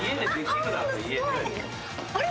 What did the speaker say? あれ？